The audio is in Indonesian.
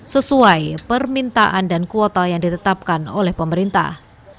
sesuai permintaan dan kuota yang ditetapkan oleh pemerintah